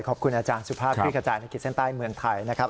ขอบคุณอาจารย์สุภาพคลิกกระจายในขีดเส้นใต้เมืองไทยนะครับ